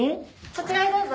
こちらへどうぞ。